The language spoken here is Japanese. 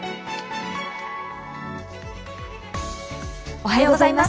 おはようございます。